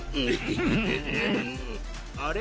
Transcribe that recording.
あれ？